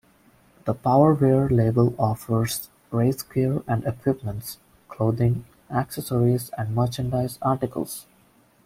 The Powerwear label offers race gear and equipment, clothing, accessories and merchandise articles.